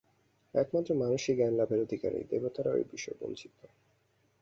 একমাত্র মানুষই জ্ঞানলাভের অধিকারী, দেবতারাও এ-বিষয়ে বঞ্চিত।